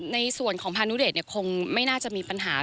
ในส่วนของพานุเดชคงไม่น่าจะมีปัญหา